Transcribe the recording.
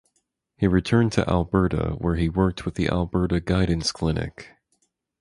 He returned to Alberta where he worked with the Alberta Guidance Clinic.